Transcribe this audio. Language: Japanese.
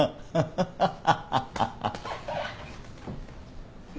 ハハハ。